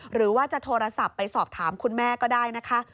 หรือว่าจะโทรศัพท์ไปสอบถามคุณแม่ก็ได้นะคะ